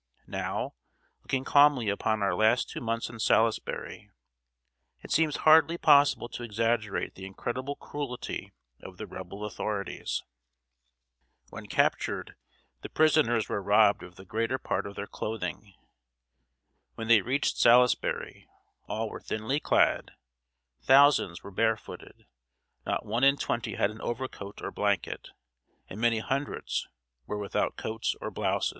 Now, looking calmly upon our last two months in Salisbury, it seems hardly possible to exaggerate the incredible cruelty of the Rebel authorities. When captured, the prisoners were robbed of the greater part of their clothing. When they reached Salisbury, all were thinly clad, thousands were barefooted, not one in twenty had an overcoat or blanket, and many hundreds were without coats or blouses.